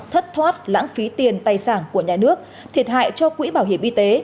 thất thoát lãng phí tiền tài sản của nhà nước thiệt hại cho quỹ bảo hiểm y tế